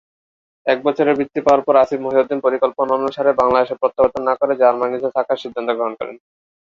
এক বছরের বৃত্তি পাওয়ার পর, আসিফ মহিউদ্দীন পরিকল্পনা অনুসারে বাংলাদেশে প্রত্যাবর্তন না করে জার্মানিতে থাকার সিদ্ধান্ত গ্রহণ করেন।